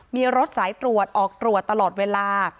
มีรถสายตรวจออกตรวจตลอดเวลา